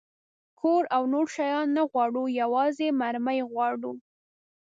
کور او نور شیان نه غواړو، یوازې مرمۍ غواړو.